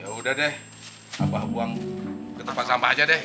yaudah deh abah buang ke tempat sama aja deh